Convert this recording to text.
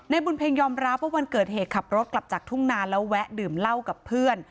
บุญเพ็งยอมรับว่าวันเกิดเหตุขับรถกลับจากทุ่งนานแล้วแวะดื่มเหล้ากับเพื่อน